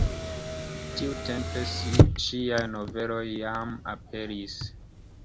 Tiutempe ŝiaj noveloj jam aperis.